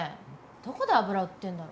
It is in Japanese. どこで油売ってんだろ。